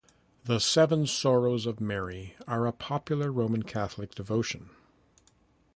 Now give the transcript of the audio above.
The Seven Sorrows of Mary are a popular Roman Catholic devotion.